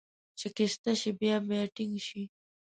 شکسته شي، بیا بیا ټینګ شي.